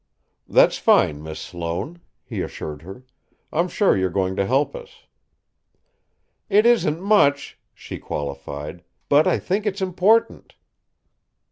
"That's fine, Miss Sloane," he assured her. "I'm sure you're going to help us." "It isn't much," she qualified, "but I think it's important."